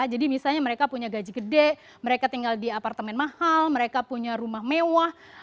jadi misalnya mereka punya gaji gede mereka tinggal di apartemen mahal mereka punya rumah mewah